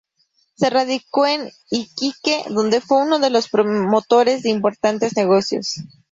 Se radicó en Iquique, donde fue uno de los promotores de importantes negocios.